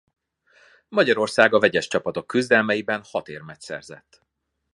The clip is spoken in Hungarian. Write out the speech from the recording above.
Magyarország a vegyes csapatok küzdelmeiben hat érmet szerzett.